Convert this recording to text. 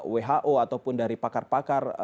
who ataupun dari pakar pakar